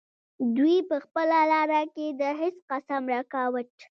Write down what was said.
دوي پۀ خپله لاره کښې د هيڅ قسم رکاوټ